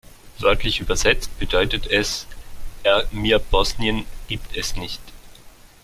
Wörtlich übersetzt bedeutet es „Er mir Bosnien gibt es nicht“.